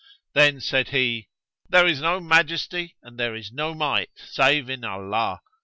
Then said he, "There is no Majesty and there is no Might save in Allah!